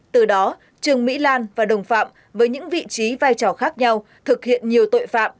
từ đó trương mỹ lan và đồng phạm với những vị trí vai trò khác nhau thực hiện nhiều tội phạm